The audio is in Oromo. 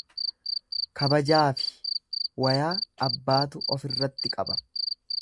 Kabajaafi wayaa abbaatu ofirratti qaba.